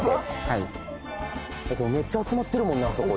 はいめっちゃ集まってるもんなあそこ